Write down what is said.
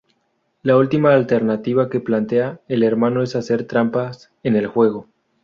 La última alternativa que plantea el hermano es hacer trampas en el juego.